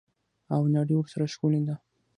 او نړۍ ورسره ښکلې ده.